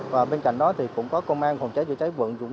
và bên cạnh đó thì cũng có công an hồn cháy chủ cháy vận